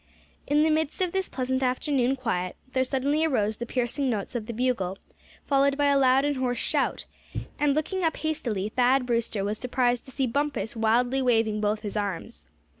In the midst of this pleasant afternoon quiet there suddenly arose the piercing notes of the bugle, followed by a loud and hoarse shout; and looking up hastily, Thad Brewster was surprised to see Bumpus wildly waving both his arms.